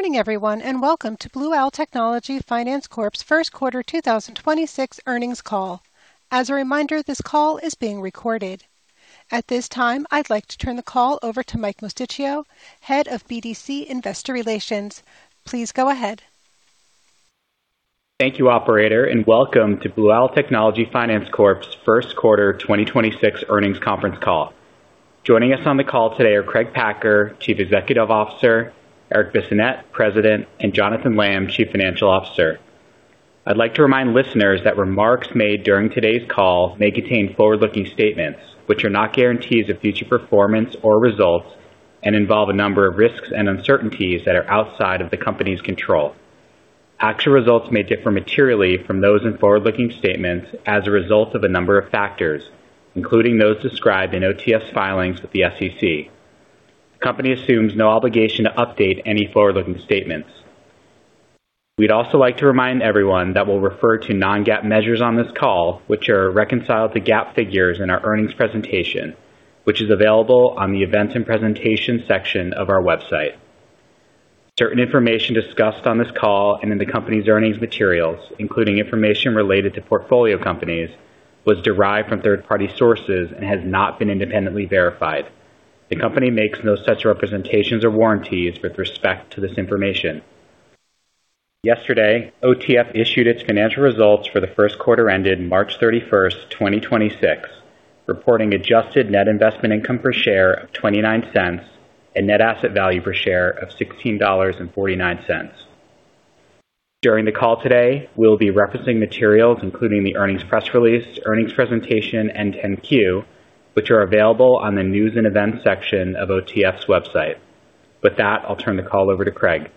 Good morning, everyone, welcome to Blue Owl Technology Finance Corp's first quarter 2026 earnings call. As a reminder, this call is being recorded. At this time, I'd like to turn the call over to Mike Mosticchio, Head of BDC Investor Relations. Please go ahead. Thank you, operator, and welcome to Blue Owl Technology Finance Corp's first quarter 2026 earnings conference call. Joining us on the call today are Craig Packer, Chief Executive Officer, Erik Bissonnette, President, and Jonathan Lamm, Chief Financial Officer. I'd like to remind listeners that remarks made during today's call may contain forward-looking statements, which are not guarantees of future performance or results and involve a number of risks and uncertainties that are outside of the company's control. Actual results may differ materially from those in forward-looking statements as a result of a number of factors, including those described in OTF's filings with the SEC. The company assumes no obligation to update any forward-looking statements. We'd also like to remind everyone that we'll refer to non-GAAP measures on this call, which are reconciled to GAAP figures in our earnings presentation, which is available on the Events and Presentation section of our website. Certain information discussed on this call and in the company's earnings materials, including information related to portfolio companies, was derived from third-party sources and has not been independently verified. The company makes no such representations or warranties with respect to this information. Yesterday, OTF issued its financial results for the first quarter ended March 31st, 2026, reporting adjusted net investment income per share of $0.29 and net asset value per share of $16.49. During the call today, we'll be referencing materials, including the earnings press release, earnings presentation, and 10-Q, which are available on the News and Events section of OTF's website. With that, I'll turn the call over to Craig.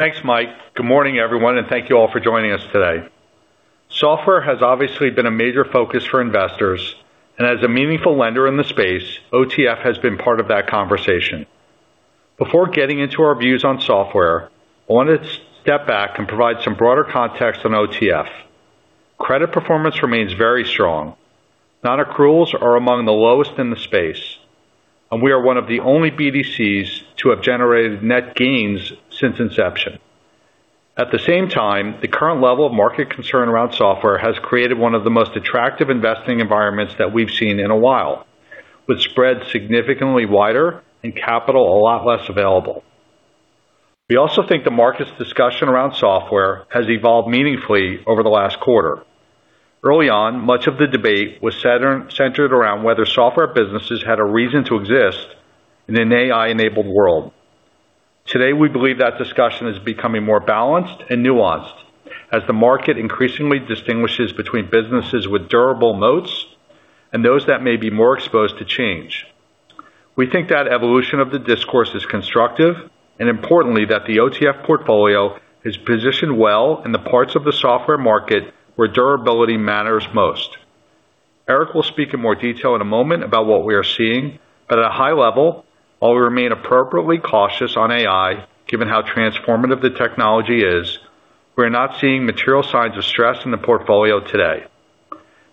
Thanks, Mike. Good morning, everyone, and thank you all for joining us today. Software has obviously been a major focus for investors, and as a meaningful lender in the space, OTF has been part of that conversation. Credit performance remains very strong. Non-accruals are among the lowest in the space, and we are one of the only BDCs to have generated net gains since inception. At the same time, the current level of market concern around software has created one of the most attractive investing environments that we've seen in a while, with spread significantly wider and capital a lot less available. We also think the market's discussion around software has evolved meaningfully over the last quarter. Early on, much of the debate was centered around whether software businesses had a reason to exist in an AI-enabled world. Today, we believe that discussion is becoming more balanced and nuanced as the market increasingly distinguishes between businesses with durable moats and those that may be more exposed to change. We think that evolution of the discourse is constructive, and importantly, that the OTF portfolio is positioned well in the parts of the software market where durability matters most. Erik will speak in more detail in a moment about what we are seeing. At a high level, while we remain appropriately cautious on AI, given how transformative the technology is, we're not seeing material signs of stress in the portfolio today.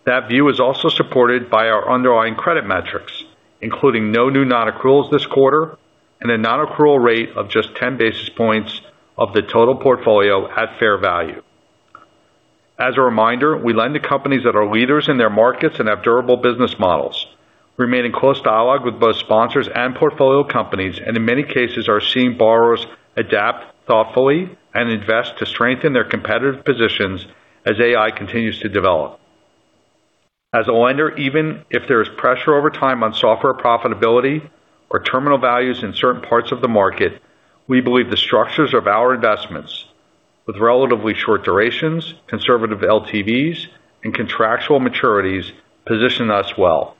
That view is also supported by our underlying credit metrics, including no new non-accruals this quarter and a non-accrual rate of just 10 basis points of the total portfolio at fair value. As a reminder, we lend to companies that are leaders in their markets and have durable business models. We remain in close dialogue with both sponsors and portfolio companies, and in many cases are seeing borrowers adapt thoughtfully and invest to strengthen their competitive positions as AI continues to develop. As a lender, even if there is pressure over time on software profitability or terminal values in certain parts of the market, we believe the structures of our investments with relatively short durations, conservative LTVs, and contractual maturities position us well.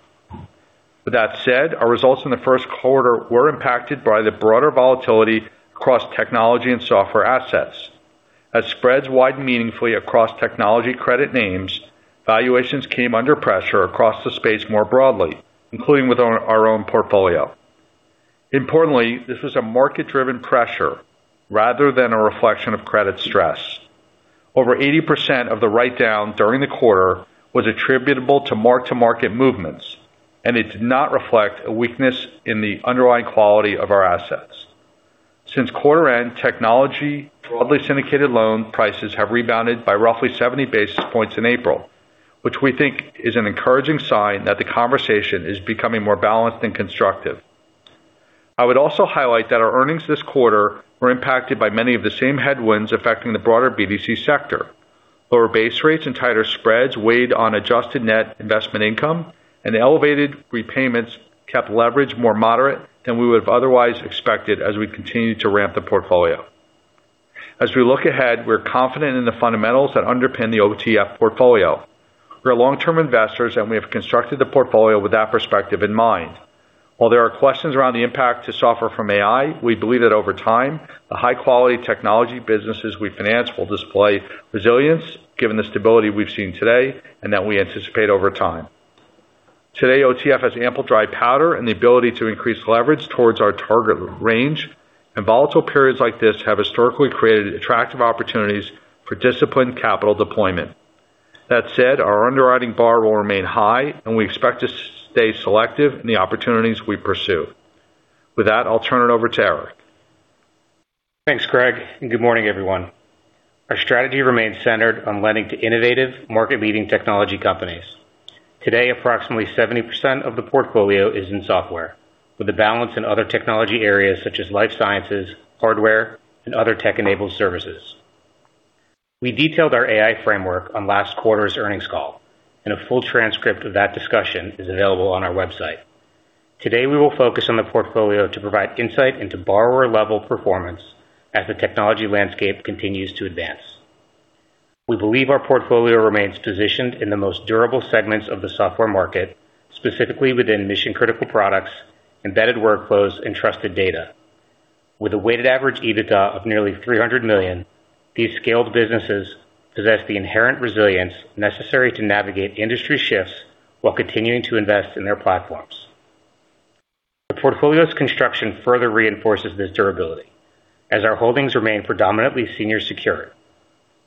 With that said, our results in the first quarter were impacted by the broader volatility across technology and software assets. As spreads widened meaningfully across technology credit names, valuations came under pressure across the space more broadly, including with our own portfolio. Importantly, this was a market-driven pressure rather than a reflection of credit stress. Over 80% of the write-down during the quarter was attributable to mark-to-market movements, and it did not reflect a weakness in the underlying quality of our assets. Since quarter end, technology broadly syndicated loan prices have rebounded by roughly 70 basis points in April, which we think is an encouraging sign that the conversation is becoming more balanced and constructive. I would also highlight that our earnings this quarter were impacted by many of the same headwinds affecting the broader BDC sector. Lower base rates and tighter spreads weighed on adjusted net investment income, and elevated repayments kept leverage more moderate than we would have otherwise expected as we continue to ramp the portfolio. As we look ahead, we're confident in the fundamentals that underpin the OTF portfolio. We're long-term investors, and we have constructed the portfolio with that perspective in mind. While there are questions around the impact to software from AI, we believe that over time, the high-quality technology businesses we finance will display resilience given the stability we've seen today and that we anticipate over time. Today, OTF has ample dry powder and the ability to increase leverage towards our target range, and volatile periods like this have historically created attractive opportunities for disciplined capital deployment. That said, our underwriting bar will remain high, and we expect to stay selective in the opportunities we pursue. With that, I'll turn it over to Erik. Thanks, Craig, good morning, everyone. Our strategy remains centered on lending to innovative market-leading technology companies. Today, approximately 70% of the portfolio is in software, with the balance in other technology areas such as life sciences, hardware, and other tech-enabled services. We detailed our AI framework on last quarter's earnings call, a full transcript of that discussion is available on our website. Today, we will focus on the portfolio to provide insight into borrower-level performance as the technology landscape continues to advance. We believe our portfolio remains positioned in the most durable segments of the software market, specifically within mission-critical products, embedded workflows, and trusted data. With a weighted average EBITDA of nearly $300 million, these scaled businesses possess the inherent resilience necessary to navigate industry shifts while continuing to invest in their platforms. The portfolio's construction further reinforces this durability as our holdings remain predominantly senior secured.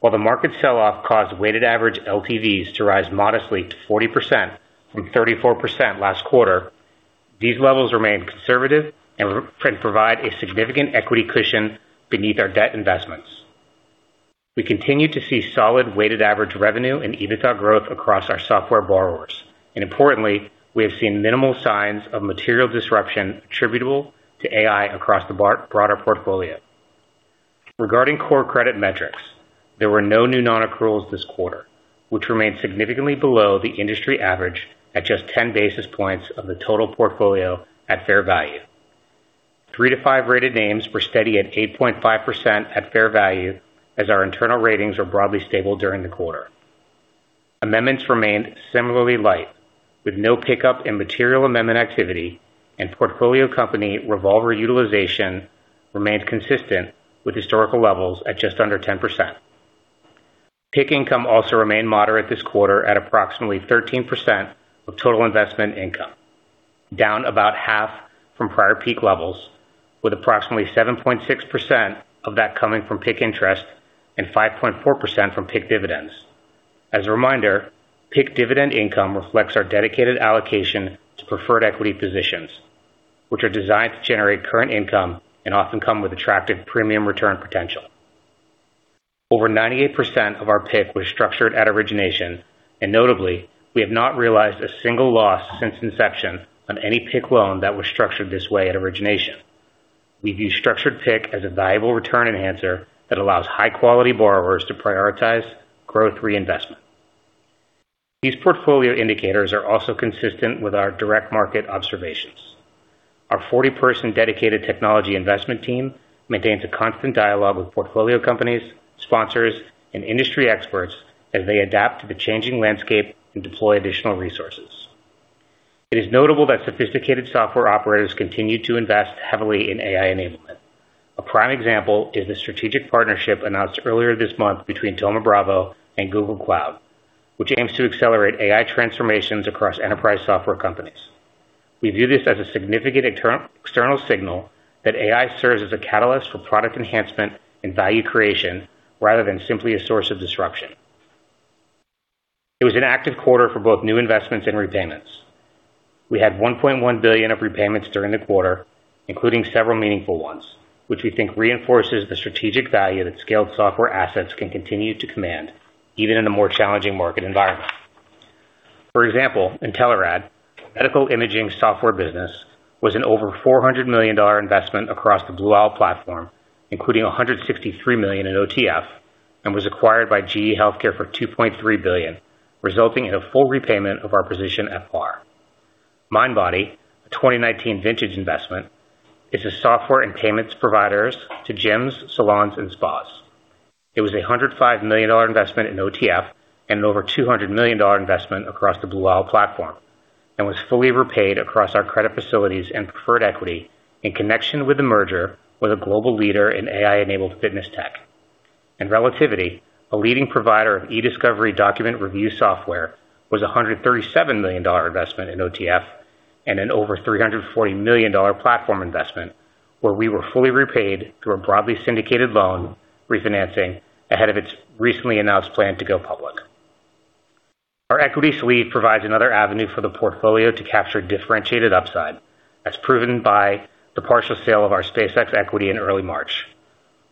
While the market sell-off caused weighted average LTVs to rise modestly to 40% from 34% last quarter, these levels remain conservative and provide a significant equity cushion beneath our debt investments. We continue to see solid weighted average revenue and EBITDA growth across our software borrowers, and importantly, we have seen minimal signs of material disruption attributable to AI across the broader portfolio. Regarding core credit metrics, there were no new non-accruals this quarter, which remained significantly below the industry average at just 10 basis points of the total portfolio at fair value. Three to five rated names were steady at 8.5% at fair value as our internal ratings were broadly stable during the quarter. Amendments remained similarly light, with no pickup in material amendment activity and portfolio company revolver utilization remained consistent with historical levels at just under 10%. PIK income also remained moderate this quarter at approximately 13% of total investment income, down about half from prior peak levels, with approximately 7.6% of that coming from PIK interest and 5.4% from PIK dividends. As a reminder, PIK dividend income reflects our dedicated allocation to preferred equity positions, which are designed to generate current income and often come with attractive premium return potential. Over 98% of our PIK was structured at origination, and notably, we have not realized a single loss since inception on any PIK loan that was structured this way at origination. We view structured PIK as a valuable return enhancer that allows high-quality borrowers to prioritize growth reinvestment. These portfolio indicators are also consistent with our direct market observations. Our 40-person dedicated technology investment team maintains a constant dialogue with portfolio companies, sponsors, and industry experts as they adapt to the changing landscape and deploy additional resources. It is notable that sophisticated software operators continue to invest heavily in AI enablement. A prime example is the strategic partnership announced earlier this month between Thoma Bravo and Google Cloud, which aims to accelerate AI transformations across enterprise software companies. We view this as a significant external signal that AI serves as a catalyst for product enhancement and value creation rather than simply a source of disruption. It was an active quarter for both new investments and repayments. We had $1.1 billion of repayments during the quarter, including several meaningful ones, which we think reinforces the strategic value that scaled software assets can continue to command even in a more challenging market environment. For example, Intelerad medical imaging software business was an over $400 million investment across the Blue Owl platform, including $163 million in OTF and was acquired by GE HealthCare for $2.3 billion, resulting in a full repayment of our position at par. Mindbody, a 2019 vintage investment, is a software and payments providers to gyms, salons and spas. It was a $105 million investment in OTF and an over $200 million investment across the Blue Owl platform and was fully repaid across our credit facilities and preferred equity in connection with the merger with a global leader in AI-enabled fitness tech. Relativity, a leading provider of e-discovery document review software, was a $137 million investment in OTF and an over $340 million platform investment where we were fully repaid through a broadly syndicated loan refinancing ahead of its recently announced plan to go public. Our equity suite provides another avenue for the portfolio to capture differentiated upside, as proven by the partial sale of our SpaceX equity in early March.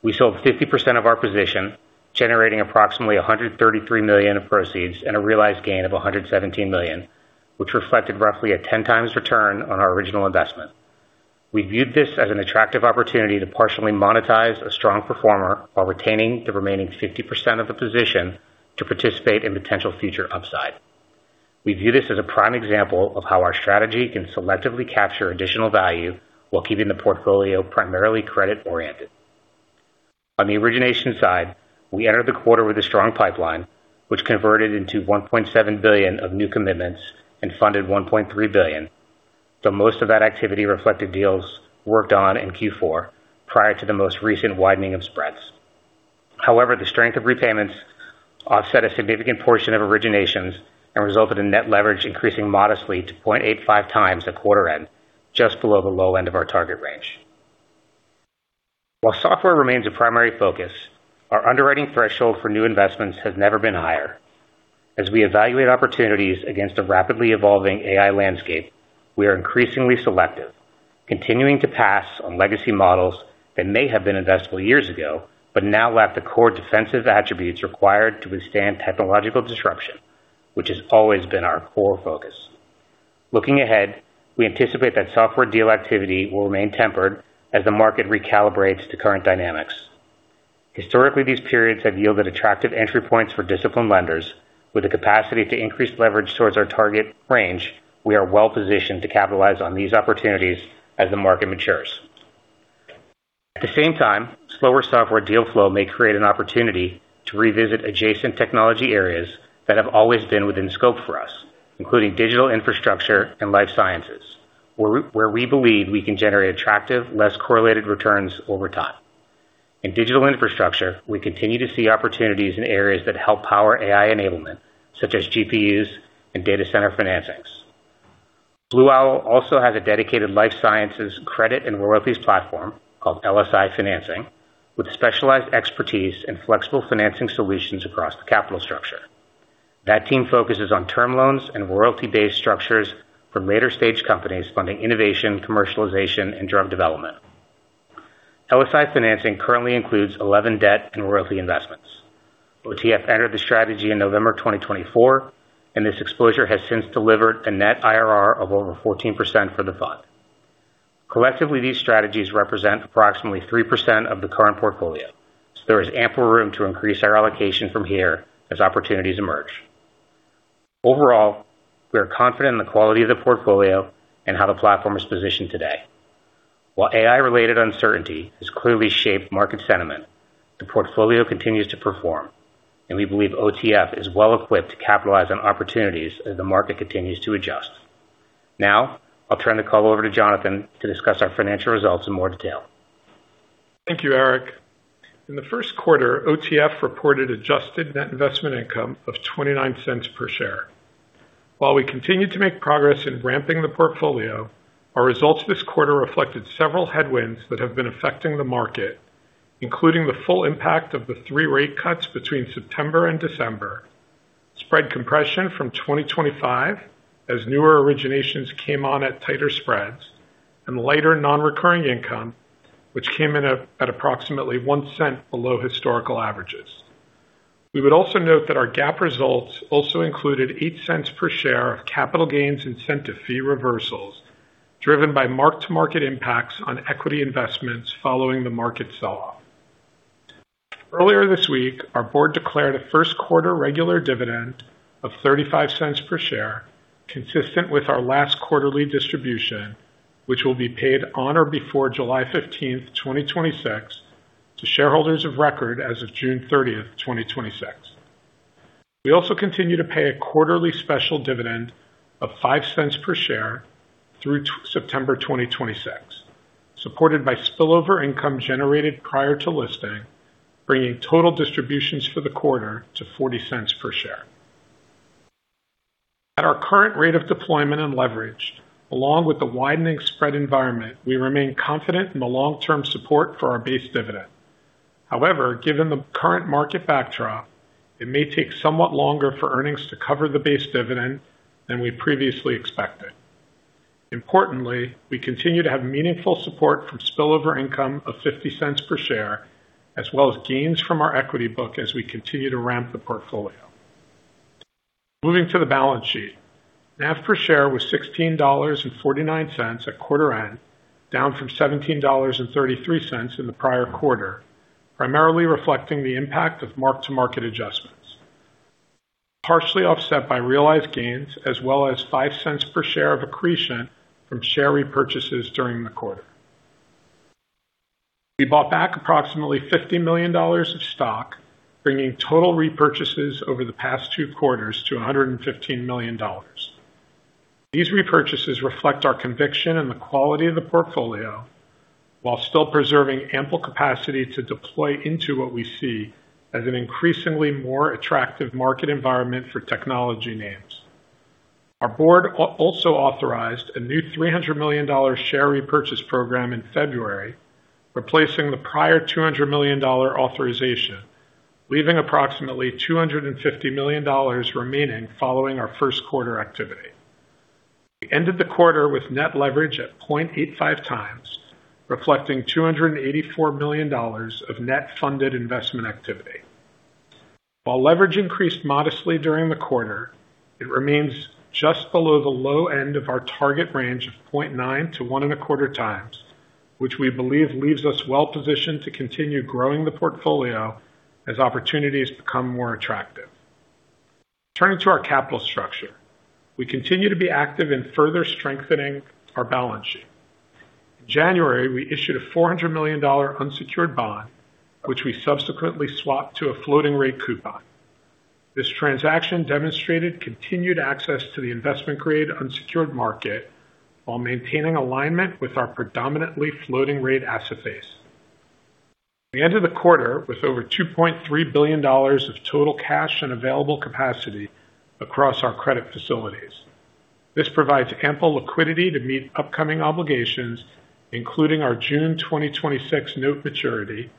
We sold 50% of our position, generating approximately $133 million of proceeds and a realized gain of $117 million, which reflected roughly a 10 times return on our original investment. We viewed this as an attractive opportunity to partially monetize a strong performer while retaining the remaining 50% of the position to participate in potential future upside. We view this as a prime example of how our strategy can selectively capture additional value while keeping the portfolio primarily credit-oriented. On the origination side, we entered the quarter with a strong pipeline, which converted into $1.7 billion of new commitments and funded $1.3 billion, though most of that activity reflected deals worked on in Q4 prior to the most recent widening of spreads. However, the strength of repayments offset a significant portion of originations and resulted in net leverage increasing modestly to 0.85x at quarter end, just below the low end of our target range. While software remains a primary focus, our underwriting threshold for new investments has never been higher. As we evaluate opportunities against a rapidly evolving AI landscape, we are increasingly selective, continuing to pass on legacy models that may have been investable years ago, but now lack the core defensive attributes required to withstand technological disruption, which has always been our core focus. Looking ahead, we anticipate that software deal activity will remain tempered as the market recalibrates to current dynamics. Historically, these periods have yielded attractive entry points for disciplined lenders. With the capacity to increase leverage towards our target range, we are well-positioned to capitalize on these opportunities as the market matures. At the same time, slower software deal flow may create an opportunity to revisit adjacent technology areas that have always been within scope for us, including digital infrastructure and life sciences, where we believe we can generate attractive, less correlated returns over time. In digital infrastructure, we continue to see opportunities in areas that help power AI enablement, such as GPUs and data center financings. Blue Owl also has a dedicated life sciences credit and royalties platform called LSI Financing with specialized expertise and flexible financing solutions across the capital structure. That team focuses on term loans and royalty-based structures for later stage companies funding innovation, commercialization, and drug development. LSI Financing currently includes 11 debt and royalty investments. OTF entered the strategy in November 2024, and this exposure has since delivered a net IRR of over 14% for the fund. Collectively, these strategies represent approximately 3% of the current portfolio, so there is ample room to increase our allocation from here as opportunities emerge. Overall, we are confident in the quality of the portfolio and how the platform is positioned today. While AI-related uncertainty has clearly shaped market sentiment, the portfolio continues to perform, and we believe OTF is well equipped to capitalize on opportunities as the market continues to adjust. Now I'll turn the call over to Jonathan to discuss our financial results in more detail. Thank you, Erik. In the first quarter, OTF reported adjusted net investment income of $0.29 per share. While we continued to make progress in ramping the portfolio, our results this quarter reflected several headwinds that have been affecting the market, including the full impact of the three rate cuts between September and December, spread compression from 2025 as newer originations came on at tighter spreads, and lighter non-recurring income, which came in at approximately $0.01 below historical averages. We would also note that our GAAP results also included $0.08 per share of capital gains incentive fee reversals driven by mark-to-market impacts on equity investments following the market sell-off. Earlier this week, our board declared a first quarter regular dividend of $0.35 per share, consistent with our last quarterly distribution, which will be paid on or before July 15th, 2026 to shareholders of record as of June 30th, 2026. We also continue to pay a quarterly special dividend of $0.05 per share through September 2026, supported by spillover income generated prior to listing, bringing total distributions for the quarter to $0.40 per share. At our current rate of deployment and leverage, along with the widening spread environment, we remain confident in the long term support for our base dividend. Given the current market backdrop, it may take somewhat longer for earnings to cover the base dividend than we previously expected. Importantly, we continue to have meaningful support from spillover income of $0.50 per share, as well as gains from our equity book as we continue to ramp the portfolio. Moving to the balance sheet, NAV per share was $16.49 at quarter end, down from $17.33 in the prior quarter, primarily reflecting the impact of mark-to-market adjustments, partially offset by realized gains as well as $0.05 per share of accretion from share repurchases during the quarter. We bought back approximately $50 million of stock, bringing total repurchases over the past two quarters to $115 million. These repurchases reflect our conviction in the quality of the portfolio while still preserving ample capacity to deploy into what we see as an increasingly more attractive market environment for technology names. Our board also authorized a new $300 million share repurchase program in February, replacing the prior $200 million authorization, leaving approximately $250 million remaining following our first quarter activity. We ended the quarter with net leverage at 0.85x, reflecting $284 million of net funded investment activity. While leverage increased modestly during the quarter, it remains just below the low end of our target range of 0.9x-1.25x, which we believe leaves us well positioned to continue growing the portfolio as opportunities become more attractive. Turning to our capital structure, we continue to be active in further strengthening our balance sheet. In January, we issued a $400 million unsecured bond, which we subsequently swapped to a floating rate coupon. This transaction demonstrated continued access to the investment grade unsecured market while maintaining alignment with our predominantly floating rate asset base. We ended the quarter with over $2.3 billion of total cash and available capacity across our credit facilities. This provides ample liquidity to meet upcoming obligations, including our June 2026 note maturity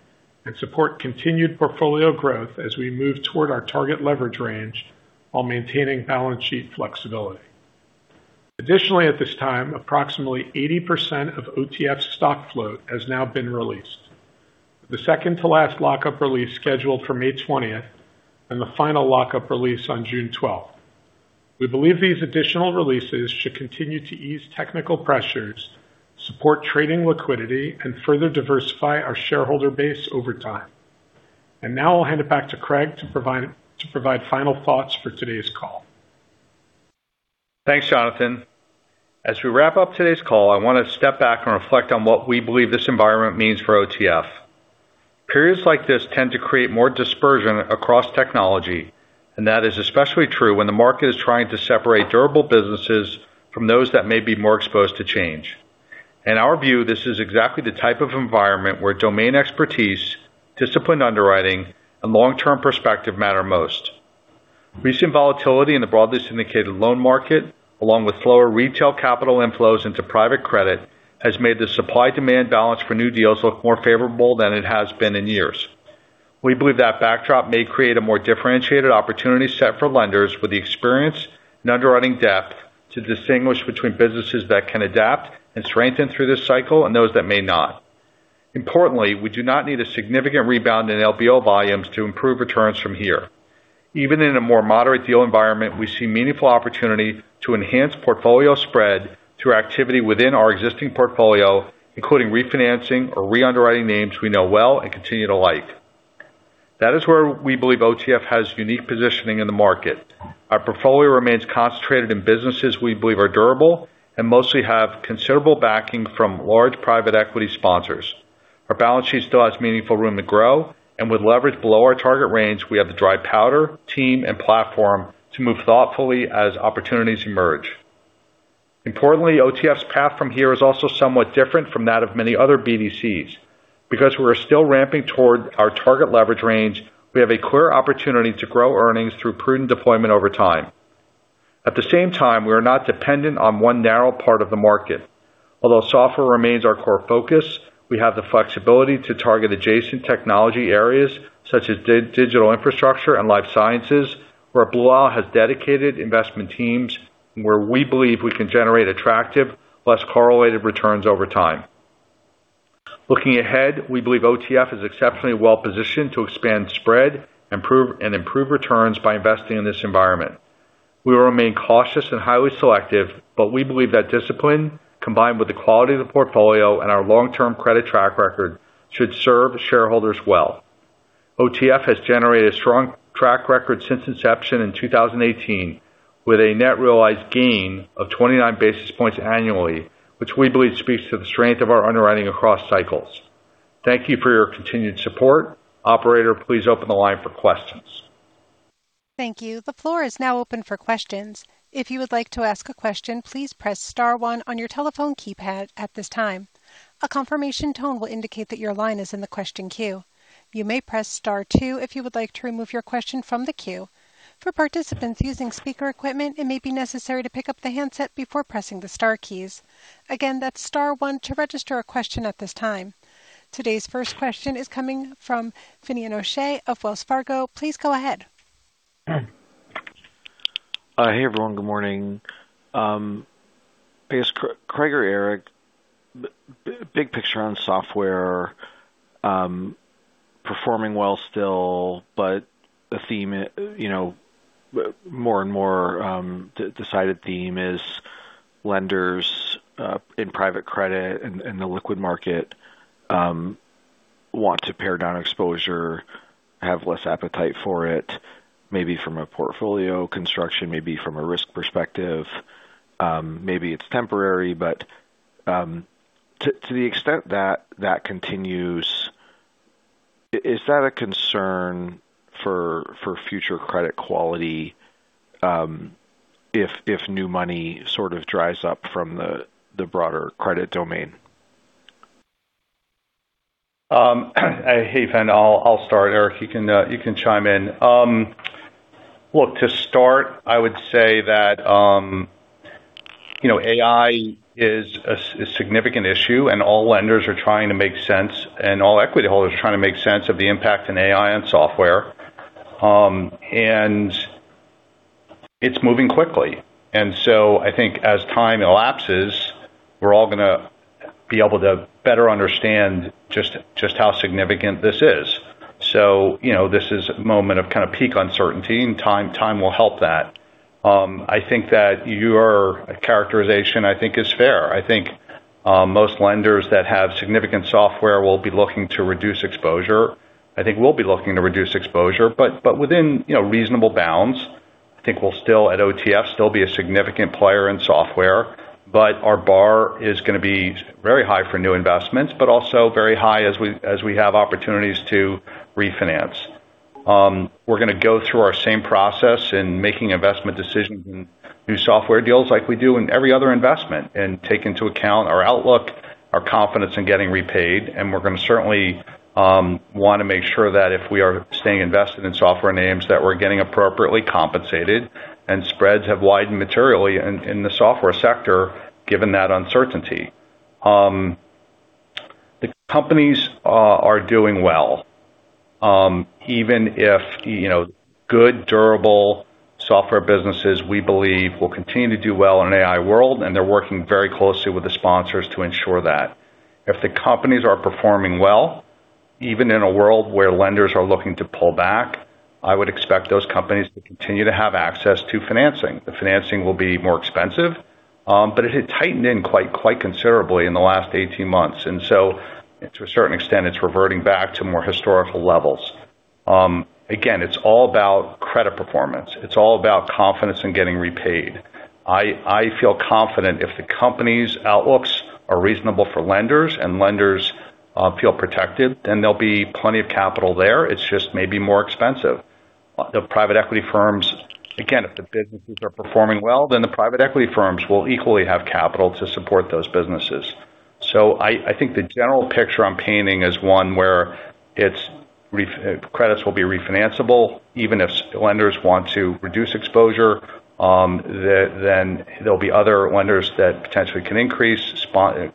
and support continued portfolio growth as we move toward our target leverage range while maintaining balance sheet flexibility. Additionally, at this time, approximately 80% of OTF stock float has now been released. The second to last lock-up release scheduled for May 20th and the final lock-up release on June 12th. We believe these additional releases should continue to ease technical pressures, support trading liquidity and further diversify our shareholder base over time. Now I'll hand it back to Craig to provide final thoughts for today's call. Thanks, Jonathan. As we wrap up today's call, I wanna step back and reflect on what we believe this environment means for OTF. Periods like this tend to create more dispersion across technology. That is especially true when the market is trying to separate durable businesses from those that may be more exposed to change. In our view, this is exactly the type of environment where domain expertise, disciplined underwriting, and long-term perspective matter most. Recent volatility in the broadly syndicated loan market, along with slower retail capital inflows into private credit, has made the supply-demand balance for new deals look more favorable than it has been in years. We believe that backdrop may create a more differentiated opportunity set for lenders with the experience and underwriting depth to distinguish between businesses that can adapt and strengthen through this cycle and those that may not. Importantly, we do not need a significant rebound in LBO volumes to improve returns from here. Even in a more moderate deal environment, we see meaningful opportunity to enhance portfolio spread through activity within our existing portfolio, including refinancing or re-underwriting names we know well and continue to like. That is where we believe OTF has unique positioning in the market. Our portfolio remains concentrated in businesses we believe are durable and mostly have considerable backing from large private equity sponsors. Our balance sheet still has meaningful room to grow, and with leverage below our target range, we have the dry powder, team, and platform to move thoughtfully as opportunities emerge. Importantly, OTF's path from here is also somewhat different from that of many other BDCs. Because we're still ramping toward our target leverage range, we have a clear opportunity to grow earnings through prudent deployment over time. At the same time, we are not dependent on one narrow part of the market. Although software remains our core focus, we have the flexibility to target adjacent technology areas such as digital infrastructure and life sciences, where Blue Owl has dedicated investment teams and where we believe we can generate attractive, less correlated returns over time. Looking ahead, we believe OTF is exceptionally well-positioned to expand spread and improve returns by investing in this environment. We will remain cautious and highly selective, but we believe that discipline, combined with the quality of the portfolio and our long-term credit track record, should serve shareholders well. OTF has generated a strong track record since inception in 2018, with a net realized gain of 29 basis points annually, which we believe speaks to the strength of our underwriting across cycles. Thank you for your continued support. Operator, please open the line for questions. Thank you. The floor is now open for questions. Today's first question is coming from Finian O'Shea of Wells Fargo. Please go ahead. Hey, everyone. Good morning. I guess Craig or Erik, big picture on software, performing well still, but the theme, you know, more and more, decided theme is lenders in private credit and the liquid market want to pare down exposure, have less appetite for it, maybe from a portfolio construction, maybe from a risk perspective. Maybe it's temporary, but to the extent that that continues, is that a concern for future credit quality, if new money sort of dries up from the broader credit domain? Hey, Fin, I'll start. Erik, you can chime in. Look, to start, I would say that, you know, AI is a significant issue, and all lenders are trying to make sense and all equity holders are trying to make sense of the impact in AI and software. It's moving quickly. I think as time elapses, we're all gonna be able to better understand just how significant this is. You know, this is a moment of kind of peak uncertainty, and time will help that. I think that your characterization, I think, is fair. I think most lenders that have significant software will be looking to reduce exposure. I think we'll be looking to reduce exposure, but within, you know, reasonable bounds. I think we'll still, at OTF, still be a significant player in software, but our bar is gonna be very high for new investments, but also very high as we have opportunities to refinance. We're gonna go through our same process in making investment decisions in new software deals like we do in every other investment and take into account our outlook Our confidence in getting repaid, and we're gonna certainly wanna make sure that if we are staying invested in software names, that we're getting appropriately compensated, and spreads have widened materially in the software sector given that uncertainty. The companies are doing well. Even if, you know, good durable software businesses, we believe will continue to do well in an AI world, and they're working very closely with the sponsors to ensure that. If the companies are performing well, even in a world where lenders are looking to pull back, I would expect those companies to continue to have access to financing. The financing will be more expensive, but it had tightened in quite considerably in the last 18 months. To a certain extent, it's reverting back to more historical levels. Again, it's all about credit performance. It's all about confidence in getting repaid. I feel confident if the company's outlooks are reasonable for lenders and lenders feel protected, then there'll be plenty of capital there. It's just maybe more expensive. The private equity firms. Again, if the businesses are performing well, then the private equity firms will equally have capital to support those businesses. I think the general picture I'm painting is one where credits will be refinancable. Even if lenders want to reduce exposure, then there'll be other lenders that potentially can increase.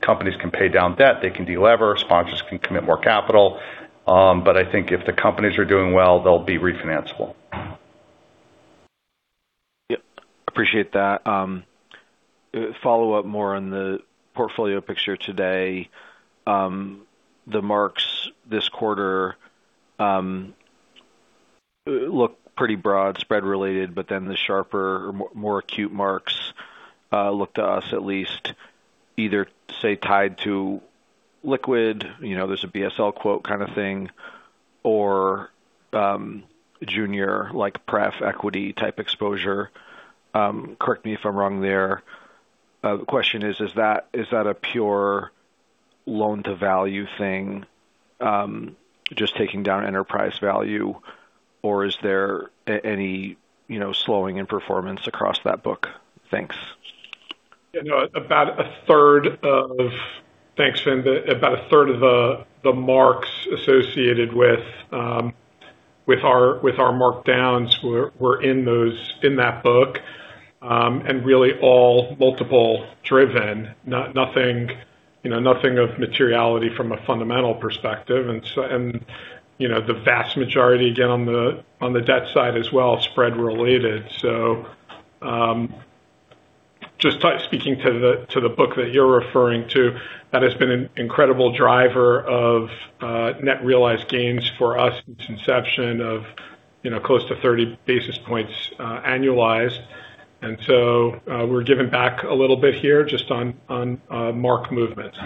Companies can pay down debt, they can delever, sponsors can commit more capital. I think if the companies are doing well, they'll be refinancable. Yep, appreciate that. Follow up more on the portfolio picture today. The marks this quarter look pretty broad spread related, but then the sharper, more acute marks look to us at least either say tied to liquid. You know, there's a BSL quote kind of thing or junior like pref equity type exposure. Correct me if I'm wrong there. The question is that a pure loan-to-value thing, just taking down enterprise value, or is there any, you know, slowing in performance across that book? Thanks. You know, about a third of Thanks, Fin. About a third of the marks associated with our markdowns were in those, in that book, and really all multiple driven. Nothing, you know, nothing of materiality from a fundamental perspective. You know, the vast majority, again, on the debt side as well, spread related. Just speaking to the book that you're referring to, that has been an incredible driver of net realized gains for us since inception of, you know, close to 30 basis points annualized. We're giving back a little bit here just on mark movements.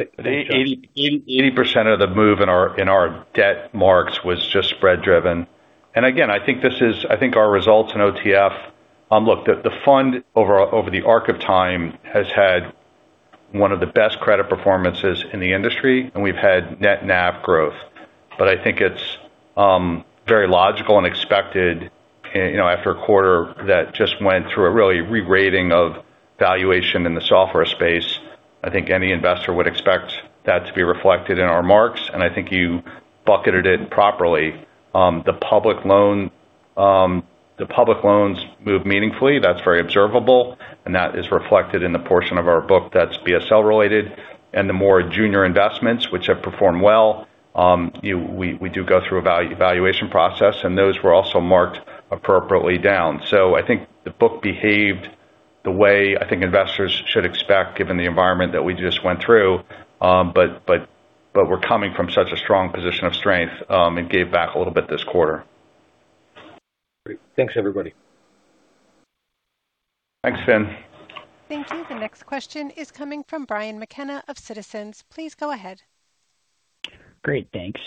80% of the move in our debt marks was just spread driven. Again, I think our results in OTF, I think the fund over the arc of time has had one of the best credit performances in the industry, and we've had net NAV growth. I think it's very logical and expected, you know, after a quarter that just went through a really re-rating of valuation in the software space. I think any investor would expect that to be reflected in our marks, and I think you bucketed it properly. The public loans move meaningfully. That's very observable, and that is reflected in the portion of our book that's BSL related. The more junior investments which have performed well, we do go through a valuation process, and those were also marked appropriately down. I think the book behaved the way I think investors should expect given the environment that we just went through, but we're coming from such a strong position of strength, gave back a little bit this quarter. Great. Thanks, everybody. Thanks, Fin. Thank you. The next question is coming from Brian McKenna of Citizens. Please go ahead. Great, thanks.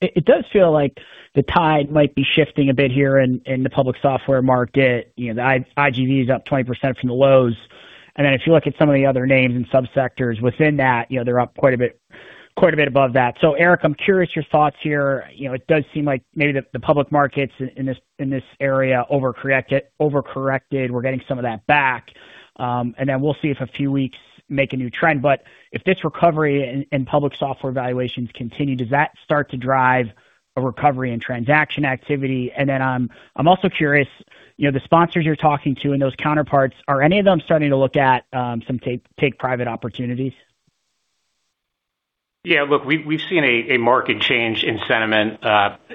It does feel like the tide might be shifting a bit here in the public software market. You know, the IGV is up 20% from the lows. If you look at some of the other names and subsectors within that, you know, they're up quite a bit above that. Erik, I'm curious your thoughts here. You know, it does seem like maybe the public markets in this area overcorrected. We're getting some of that back. We'll see if a few weeks make a new trend. If this recovery and public software valuations continue, does that start to drive a recovery and transaction activity? I'm also curious, you know, the sponsors you're talking to and those counterparts, are any of them starting to look at some take private opportunities? Look, we've seen a market change in sentiment,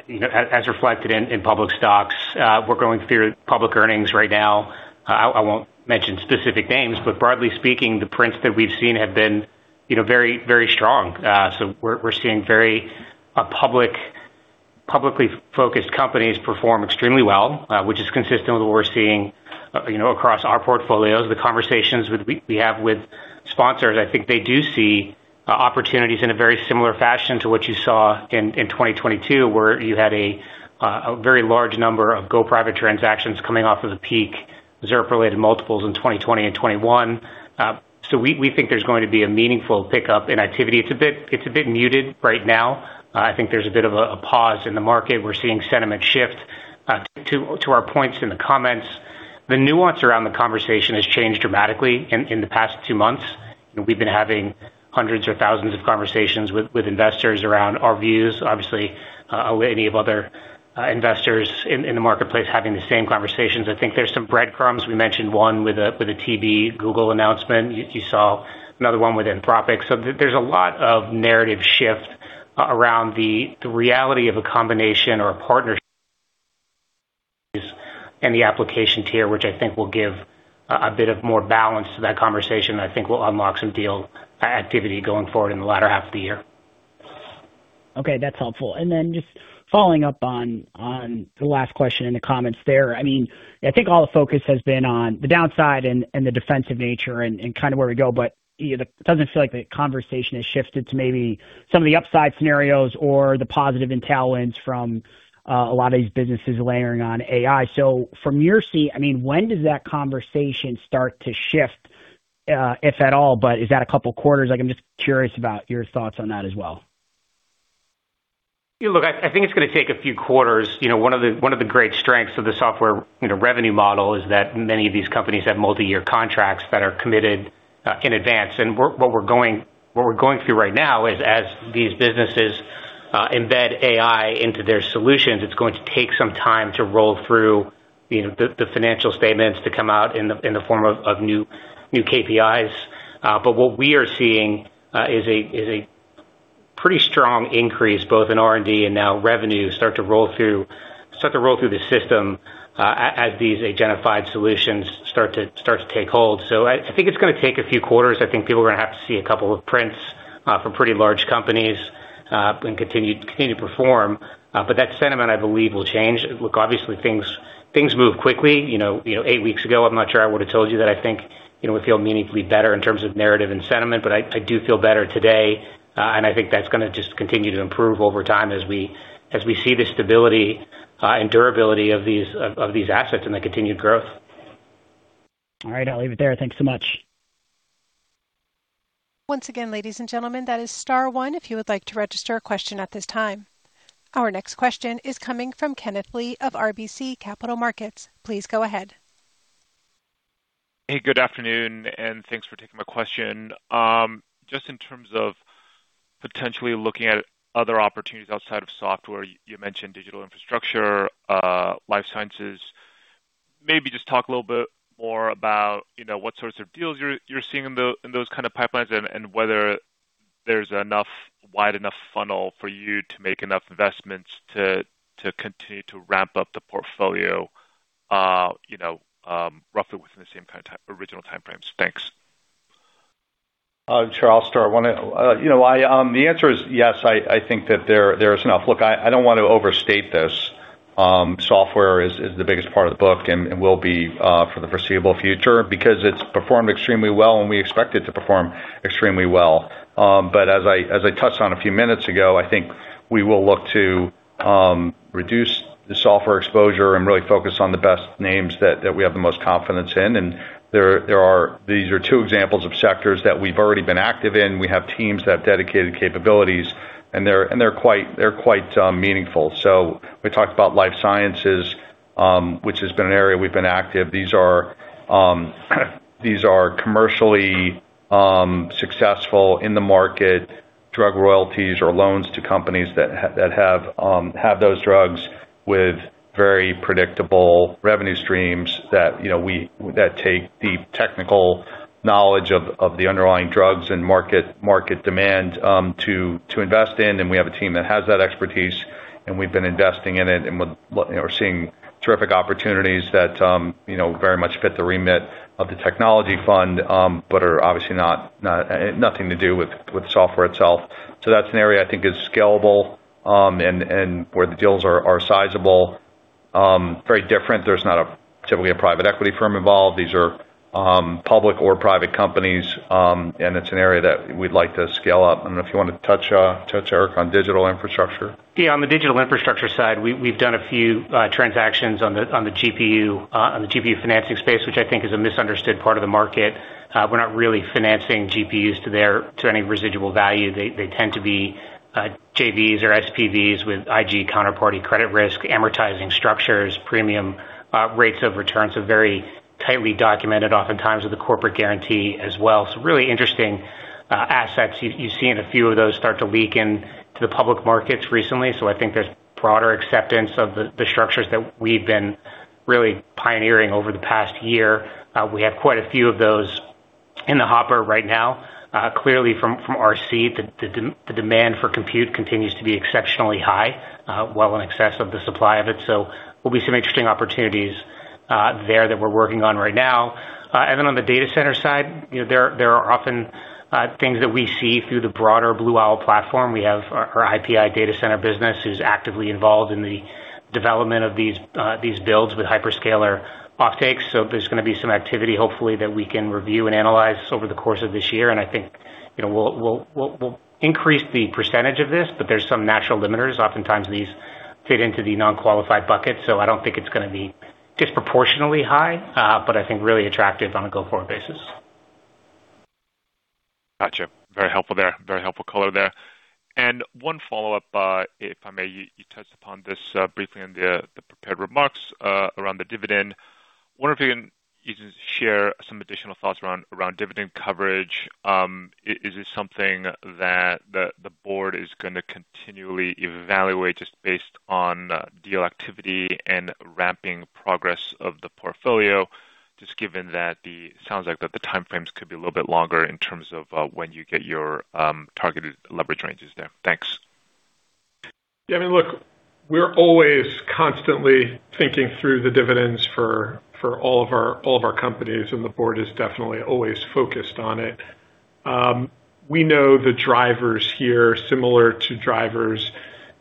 you know, as reflected in public stocks. We're going through public earnings right now. I won't mention specific names, but broadly speaking, the prints that we've seen have been, you know, very strong. So we're seeing very publicly focused companies perform extremely well, which is consistent with what we're seeing, you know, across our portfolios. The conversations we have with sponsors, I think they do see opportunities in a very similar fashion to what you saw in 2022, where you had a very large number of go private transactions coming off of the peak, ZIRP related multiples in 2020 and 2021. So we think there's going to be a meaningful pickup in activity. It's a bit muted right now. I think there's a bit of a pause in the market. We're seeing sentiment shift. To our points in the comments, the nuance around the conversation has changed dramatically in the past two months. You know, we've been having hundreds or thousands of conversations with investors around our views. Obviously, with any of other investors in the marketplace having the same conversations. I think there's some breadcrumbs. We mentioned one with a TB and Google announcement. You saw another one with Anthropic. There's a lot of narrative shift around the reality of a combination or a partnership and the application tier, which I think will give a bit of more balance to that conversation, I think will unlock some deal activity going forward in the latter half of the year. Okay, that's helpful. Then just following up on the last question in the comments there. I mean, I think all the focus has been on the downside and the defensive nature and kind of where we go. You know, it doesn't feel like the conversation has shifted to maybe some of the upside scenarios or the positive intelligence from a lot of these businesses layering on AI. From your seat, I mean, when does that conversation start to shift, if at all? Is that a couple quarters? Like, I'm just curious about your thoughts on that as well. Look, I think it's gonna take a few quarters. You know, one of the great strengths of the software, you know, revenue model is that many of these companies have multi-year contracts that are committed in advance. What we're going through right now is as these businesses, embed AI into their solutions, it's going to take some time to roll through, you know, the financial statements to come out in the form of new KPIs. What we are seeing, is a pretty strong increase both in R&D and now revenue start to roll through the system, as these agentified solutions start to take hold. I think it's gonna take a few quarters. I think people are gonna have to see a couple of prints from pretty large companies and continue to perform. That sentiment, I believe, will change. Look, obviously, things move quickly. You know, eight weeks ago, I'm not sure I would've told you that I think, you know, we feel meaningfully better in terms of narrative and sentiment, but I do feel better today. And I think that's gonna just continue to improve over time as we see the stability and durability of these assets and the continued growth. All right, I'll leave it there. Thanks so much. Once again, ladies and gentlemen, that is star one if you would like to register a question at this time. Our next question is coming from Kenneth Lee of RBC Capital Markets. Please go ahead. Hey, good afternoon, and thanks for taking my question. Just in terms of potentially looking at other opportunities outside of software, you mentioned digital infrastructure, life sciences. Maybe just talk a little bit more about, you know, what sorts of deals you're seeing in those kind of pipelines and whether there's enough wide enough funnel for you to make enough investments to continue to ramp up the portfolio, you know, roughly within the same kind of original timeframes. Thanks. Sure, I'll start. One, you know, I, the answer is yes, I think that there is enough. Look, I don't want to overstate this. Software is the biggest part of the book and will be for the foreseeable future because it's performed extremely well, and we expect it to perform extremely well. But as I touched on a few minutes ago, I think we will look to reduce the software exposure and really focus on the best names that we have the most confidence in. These are two examples of sectors that we've already been active in. We have teams that have dedicated capabilities, and they're quite meaningful. We talked about life sciences, which has been an area we've been active. These are, these are commercially successful in the market drug royalties or loans to companies that have those drugs with very predictable revenue streams that, you know, that take the technical knowledge of the underlying drugs and market demand to invest in. We have a team that has that expertise, and we've been investing in it. You know, we're seeing terrific opportunities that, you know, very much fit the remit of the technology fund, but are obviously not, nothing to do with software itself. That's an area I think is scalable, and where the deals are sizable. Very different. There's not typically a private equity firm involved. These are public or private companies. It's an area that we'd like to scale up. If you wanna touch, Erik, on digital infrastructure. Yeah, on the digital infrastructure side, we've done a few transactions on the GPU financing space, which I think is a misunderstood part of the market. We're not really financing GPUs to any residual value. They tend to be JVs or SPVs with IG counterparty credit risk, amortizing structures, premium rates of returns are very tightly documented, oftentimes with a corporate guarantee as well. Really interesting assets. You've seen a few of those start to leak into the public markets recently. I think there's broader acceptance of the structures that we've been really pioneering over the past year. We have quite a few of those in the hopper right now. Clearly from our seat, the demand for compute continues to be exceptionally high, well in excess of the supply of it. Will be some interesting opportunities there that we're working on right now. On the data center side, you know, there are often things that we see through the broader Blue Owl platform. We have our IPI data center business, who's actively involved in the development of these builds with hyperscaler off takes. There's gonna be some activity, hopefully, that we can review and analyze over the course of this year. I think, you know, we'll increase the percentage of this, but there's some natural limiters. Oftentimes these fit into the non-qualified bucket, so I don't think it's gonna be disproportionately high, but I think really attractive on a go-forward basis. Gotcha. Very helpful there. Very helpful color there. One follow-up, if I may. You touched upon this briefly in the prepared remarks around the dividend. Wondering if you can share some additional thoughts around dividend coverage. Is it something that the board is gonna continually evaluate just based on deal activity and ramping progress of the portfolio, just given that the time frames could be a little bit longer in terms of when you get your targeted leverage ranges there. Thanks. I mean, look, we're always constantly thinking through the dividends for all of our companies. The board is definitely always focused on it. We know the drivers here, similar to drivers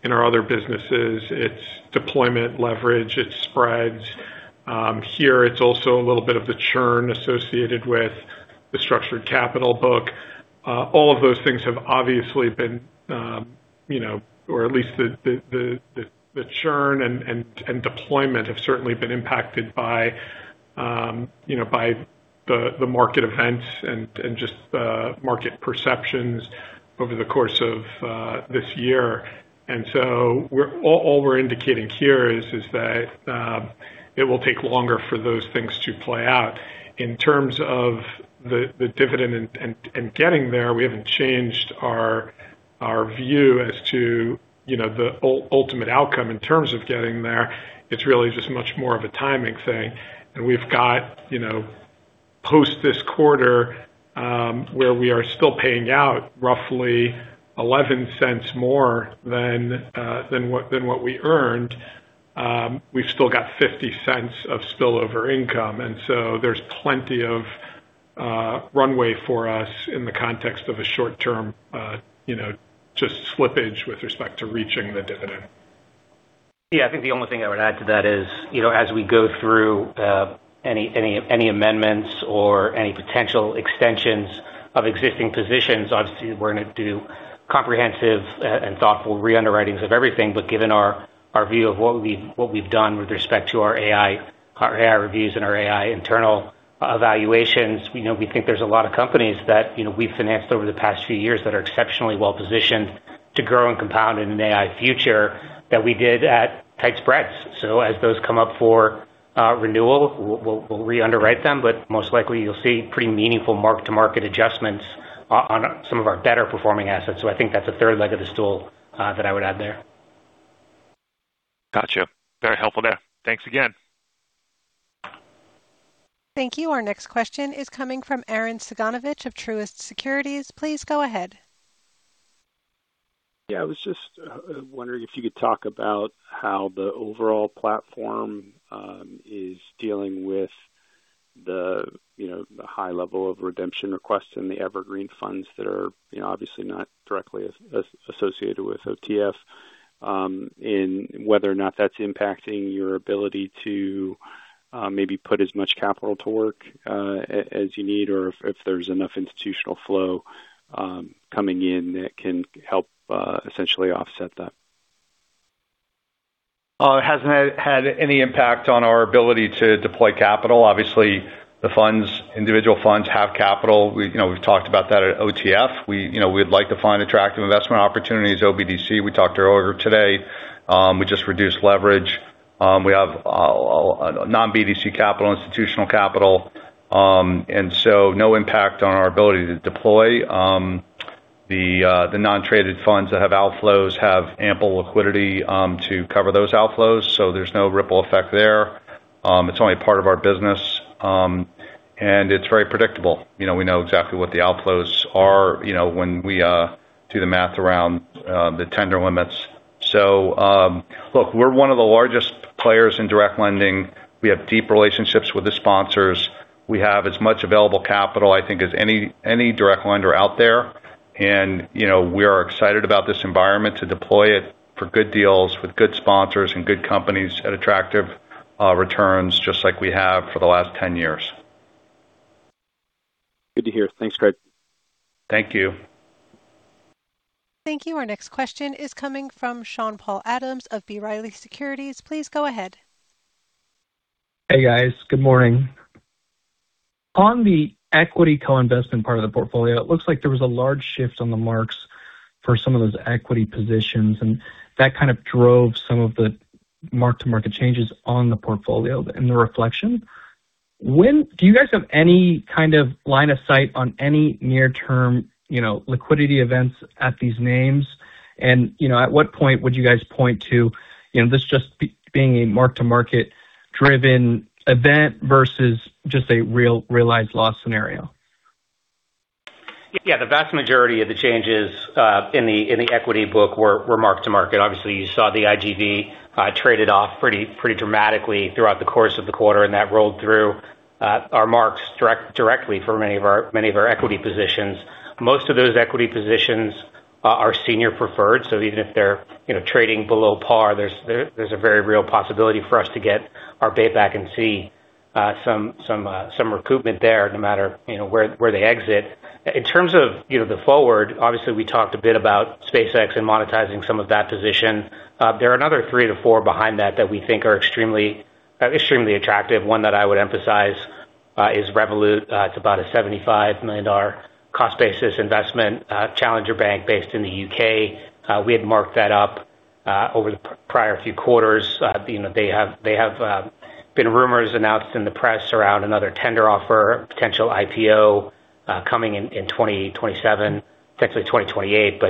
in our other businesses. It's deployment leverage. It spreads. Here it's also a little bit of the churn associated with the structured capital book. All of those things have obviously been, you know, or at least the churn and deployment have certainly been impacted by, you know, by the market events and just the market perceptions over the course of this year. All we're indicating here is that it will take longer for those things to play out. In terms of the dividend and getting there, we haven't changed our view as to, you know, the ultimate outcome in terms of getting there. It's really just much more of a timing thing. We've got, you know, post this quarter, where we are still paying out roughly $0.11 more than what we earned. We've still got $0.50 of spillover income. There's plenty of runway for us in the context of a short term, you know, just slippage with respect to reaching the dividend. I think the only thing I would add to that is, you know, as we go through any amendments or any potential extensions of existing positions, obviously we're gonna do comprehensive and thoughtful re-underwritings of everything. Given our view of what we've, what we've done with respect to our AI, our AI reviews and our AI internal evaluations, you know, we think there's a lot of companies that, you know, we've financed over the past few years that are exceptionally well-positioned to grow and compound in an AI future that we did at tight spreads. As those come up for renewal, we'll re-underwrite them, but most likely you'll see pretty meaningful mark-to-market adjustments on some of our better performing assets. I think that's a third leg of the stool that I would add there. Gotcha. Very helpful there. Thanks again. Thank you. Our next question is coming from Arren Cyganovich of Truist Securities. Please go ahead. I was just wondering if you could talk about how the overall platform is dealing with the, you know, the high level of redemption requests in the evergreen funds that are, you know, obviously not directly associated with OTF and whether or not that's impacting your ability to maybe put as much capital to work as you need or if there's enough institutional flow coming in that can help essentially offset that. It hasn't had any impact on our ability to deploy capital. Obviously, the funds, individual funds have capital. We, you know, we've talked about that at OTF. We, you know, we'd like to find attractive investment opportunities. OBDC, we talked earlier today. We just reduced leverage. We have a non-BDC capital, institutional capital, and so no impact on our ability to deploy. The non-traded funds that have outflows have ample liquidity to cover those outflows, so there's no ripple effect there. It's only a part of our business, and it's very predictable. You know, we know exactly what the outflows are, you know, when we do the math around the tender limits. Look, we're one of the largest players in direct lending. We have deep relationships with the sponsors. We have as much available capital, I think, as any direct lender out there. You know, we are excited about this environment to deploy it for good deals with good sponsors and good companies at attractive returns, just like we have for the last 10 years. Good to hear. Thanks, Craig. Thank you. Thank you. Our next question is coming from Sean-Paul Adams of B. Riley Securities. Please go ahead. Hey, guys. Good morning. On the equity co-investment part of the portfolio, it looks like there was a large shift on the marks for some of those equity positions, and that kind of drove some of the mark-to-market changes on the portfolio and the reflection. Do you guys have any kind of line of sight on any near-term, you know, liquidity events at these names? At what point would you guys point to, you know, this just being a mark-to-market driven event versus just a real realized loss scenario? Yeah. The vast majority of the changes in the equity book were mark to market. Obviously, you saw the IGV traded off pretty dramatically throughout the course of the quarter, and that rolled through our marks directly for many of our equity positions. Most of those equity positions are senior preferred. Even if they're, you know, trading below par, there's a very real possibility for us to get our pay back and see some recoupment there, no matter, you know, where they exit. In terms of, you know, the forward, obviously, we talked a bit about SpaceX and monetizing some of that position. There are another three to four behind that that we think are extremely Extremely attractive. One that I would emphasize, is Revolut. It's about a $75 million cost basis investment, challenger bank based in the U.K. We had marked that up, over the prior few quarters. You know, they have, been rumors announced in the press around another tender offer, potential IPO, coming in 2028, 2027 potentially 2028.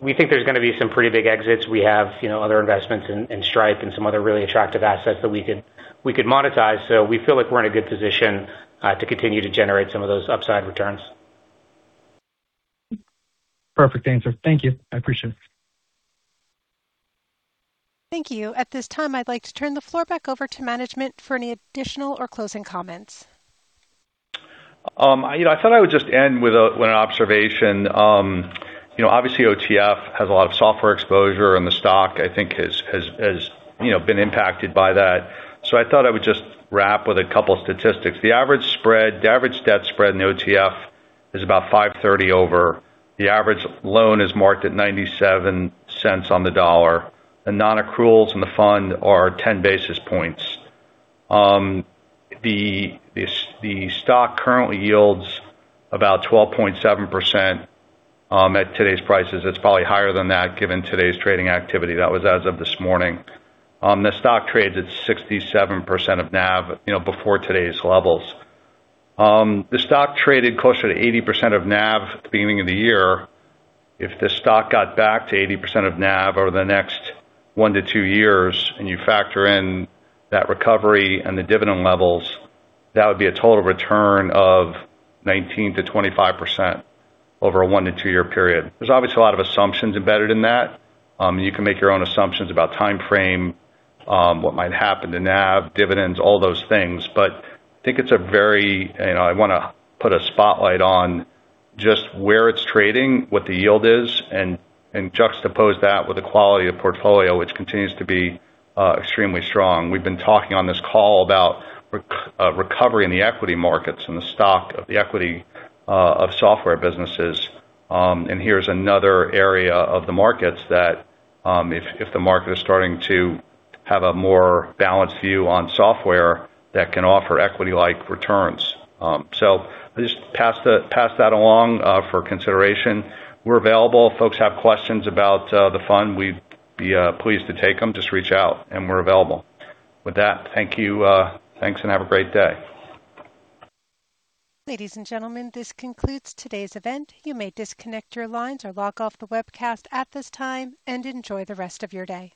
We think there's gonna be some pretty big exits. We have, you know, other investments in Stripe and some other really attractive assets that we could monetize. We feel like we're in a good position, to continue to generate some of those upside returns. Perfect answer. Thank you. I appreciate it. Thank you. At this time, I'd like to turn the floor back over to management for any additional or closing comments. You know, I thought I would just end with an observation. You know, obviously OTF has a lot of software exposure. The stock, I think, has, you know, been impacted by that. I thought I would just wrap with a couple statistics. The average debt spread in OTF is about 530 over. The average loan is marked at $0.97 on the dollar. The non-accruals in the fund are 10 basis points. The stock currently yields about 12.7% at today's prices. It's probably higher than that given today's trading activity. That was as of this morning. The stock trades at 67% of NAV, you know, before today's levels. The stock traded closer to 80% of NAV at the beginning of the year. If the stock got back to 80% of NAV over the next one to two years, and you factor in that recovery and the dividend levels, that would be a total return of 19%-25% over a one to two year period. There's obviously a lot of assumptions embedded in that. You can make your own assumptions about timeframe, what might happen to NAV, dividends, all those things. I think it's a very, you know, I want to put a spotlight on just where it's trading, what the yield is, and juxtapose that with the quality of portfolio, which continues to be extremely strong. We've been talking on this call about recovery in the equity markets and the stock of the equity of software businesses. Here's another area of the markets that, if the market is starting to have a more balanced view on software that can offer equity-like returns. I just pass that along for consideration. We're available. If folks have questions about the fund, we'd be pleased to take them. Just reach out and we're available. With that, thank you. Thanks and have a great day. Ladies and gentlemen, this concludes today's event. You may disconnect your lines or log off the webcast at this time, and enjoy the rest of your day.